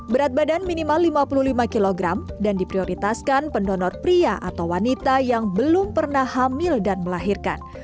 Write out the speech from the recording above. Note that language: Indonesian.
berat badan minimal lima puluh lima kg dan diprioritaskan pendonor pria atau wanita yang belum pernah hamil dan melahirkan